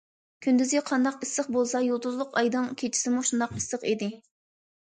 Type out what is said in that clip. كۈندۈزى قانداق ئىسسىق بولسا، يۇلتۇزلۇق ئايدىڭ كېچىسىمۇ شۇنداق ئىسسىق ئىدى.